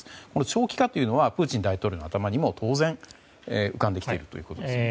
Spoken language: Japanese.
長期化というのはプーチン大統領の頭にも当然浮かんできているということですか。